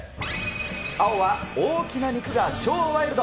青は大きな肉が超ワイルド。